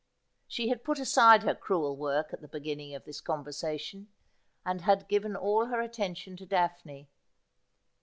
She had put aside her crewel work at the beginning of this conversation, and had given all her attention to Daphne.